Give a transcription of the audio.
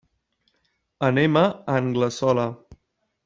Anem a Anglesola.